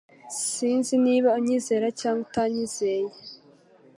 Sinzi niba unyizera cyangwa utanyizeye